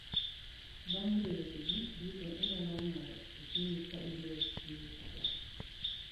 Bang' yudo weche gi duto, inyalo ng'ado e chunyi ka ibiro chiwo tuak.